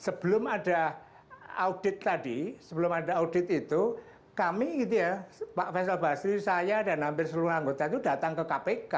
sebelum ada audit tadi sebelum ada audit itu kami gitu ya pak faisal basri saya dan hampir seluruh anggota itu datang ke kpk